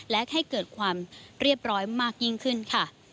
และให้เกิดความเรียบร้อยมากยิ่งขึ้นค่ะ